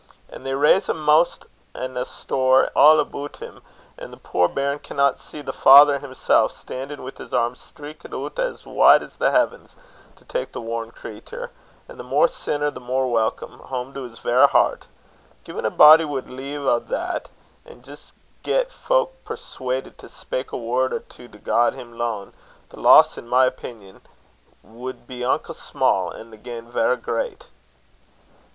An' they raise a mist an' a stour a' aboot him, 'at the puir bairn canna see the Father himsel', stan'in' wi' his airms streekit oot as wide's the heavens, to tak' the worn crater, and the mair sinner, the mair welcome, hame to his verra hert. Gin a body wad lea' a' that, and jist get fowk persuadit to speyk a word or twa to God him lane, the loss, in my opingan, wad be unco sma', and the gain verra great."